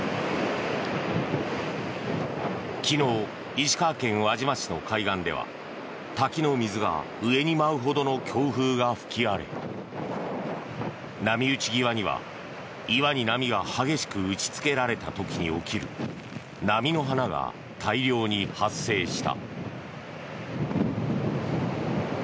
昨日、石川県輪島市の海岸では滝の水が上に舞うほどの強風が吹き荒れ波打ち際には岩に波が激しく打ちつけられた時に起きる波の花が大量に発生した。